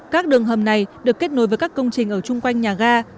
các đường hầm này được kết nối với các công trình ở chung quanh nhà ga